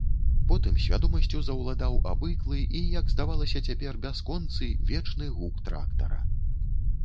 Потым свядомасцю заўладаў абыклы і, як здавалася цяпер, бясконцы, вечны гук трактара.